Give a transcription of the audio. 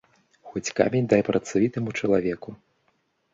Хоць камень дай працавітаму чалавеку.